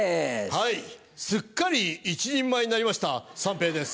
はいすっかり一人前になりました三平です。